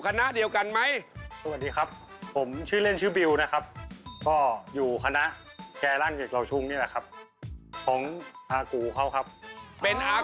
ใครว่าเจอที่แตกเลยดีกว่า